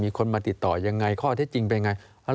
มีคนมาติดต่อยังไงข้อเทศจริงเป็นอย่างไร